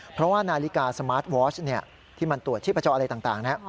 เพราะว่านาฬิกาสมาร์ทวอชที่มันตรวจที่ประเจาะอะไรต่างนะฮะ